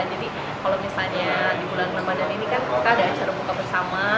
jadi kalau misalnya di bulan ramadan ini kan kita bisa berbuka bersama